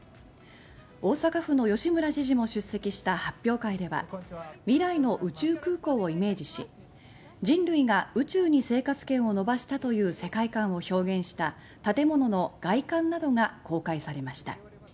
大阪府の吉村知事も出席した発表会では未来の宇宙空港をイメージし人類が宇宙に生活圏を伸ばしたという世界観を表現した建物の外観などが公開されました。